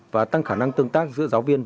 và tăng khả năng tương tác dưới các trường học